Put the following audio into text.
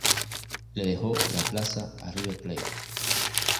Le dejó la plaza a River Plate.